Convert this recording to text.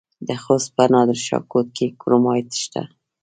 د خوست په نادر شاه کوټ کې کرومایټ شته.